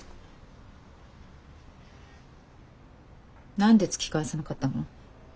何で突き返さなかったの？